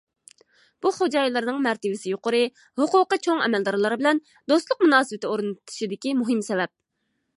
بۇ، خوجايىنلارنىڭ مەرتىۋىسى يۇقىرى، ھوقۇقى چوڭ ئەمەلدارلار بىلەن« دوستلۇق مۇناسىۋىتى» ئورنىتىشىدىكى مۇھىم سەۋەب.